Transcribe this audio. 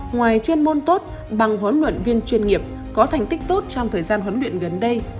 ngoài chuyên môn tốt bằng huấn luyện viên chuyên nghiệp có thành tích tốt trong thời gian huấn luyện gần đây